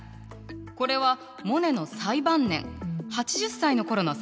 これはモネの最晩年８０歳の頃の作品。